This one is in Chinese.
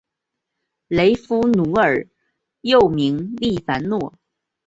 雷佛奴尔又名利凡诺。